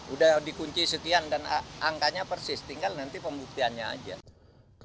udah dikunci sekian dan angkanya persis tinggal nanti pembuktiannya aja